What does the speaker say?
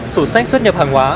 sổ sách xuất nhập hàng hóa